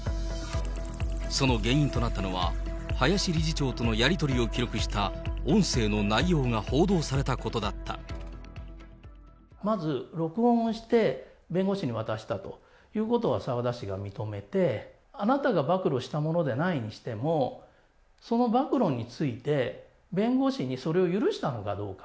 その原因となったのは、林理事長とのやり取りを記録した音声の内容が報道されたことだっまず録音をして、弁護士に渡したということは澤田氏が認めて、あなたが暴露したものでないにしても、その暴露について、弁護士にそれを許したのかどうか。